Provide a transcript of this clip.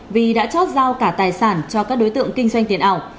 vì đã chót giao cả tài sản cho các đối tượng kinh doanh tiền ảo